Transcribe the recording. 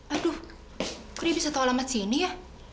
aduh kok dia bisa tau lama disini ya